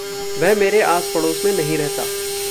वह मेरे आस-पड़ोस में नहीं रहता।